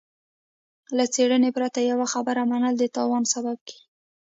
له څېړنې پرته يوه خبره منل د تاوان سبب کېږي.